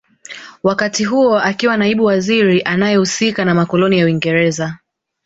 Wakati huo akiwa naibu waziri anaehusika na makoloni ya Uingereza